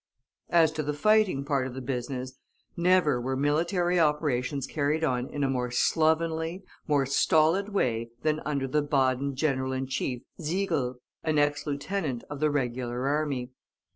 As to the fighting part of the business, never were military operations carried on in a more slovenly, more stolid way than under the Baden General in Chief Sigel, an ex lieutenant of the regular army.